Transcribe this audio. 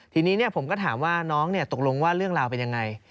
ทีนี้ผมก็ถามว่าน้องตกลงว่าเรื่องราวเป็นยังไง